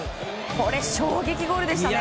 これ、衝撃ゴールでしたね。